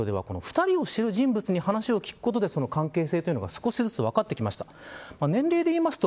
そんな中、めざまし８で２人を知る人物に話を聞くことで関係性が少しずつ分かってきました。